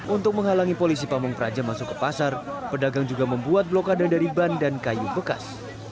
untuk menghalangi polisi pamung praja masuk ke pasar pedagang juga membuat blokade dari ban dan kayu bekas